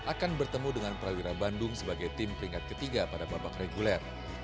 dan juga akan bertemu dengan prawira bandung sebagai tim peringkat ke tiga pada babak reguler